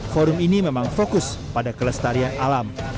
forum ini memang fokus pada kelestarian alam